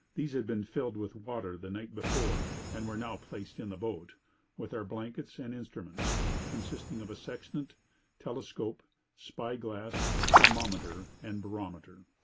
These had been filled with water the night before, and were now placed in the boat, with our blankets and instruments, consisting of a sextant, telescope, spy glass, thermometer, and barometer.